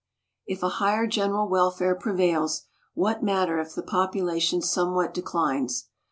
If a higher general welfare prevails, what matter if the population somewhat declines?